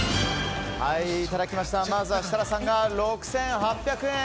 まずは設楽さんが６８００円。